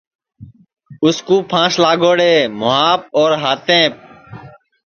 اُس کُو پھانٚس لاگوڑے مُہاپ اور ہاتیںٚپ